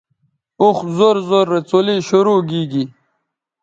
اوخ زور زور رے څلے شروع گی